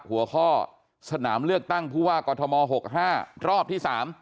หัวข้อสนามเลือกตั้งผู้ว่ากอทม๖๕รอบที่๓